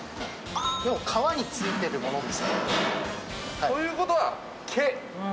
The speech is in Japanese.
でも皮に付いてるものですね。という事は。